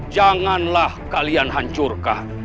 janganlah kalian hancurkan